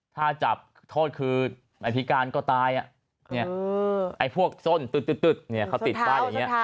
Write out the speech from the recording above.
ถ้าจับโทษคือไม่พิการก็ตายไอ้พวกส้นตึกเขาติดป้ายอย่างนี้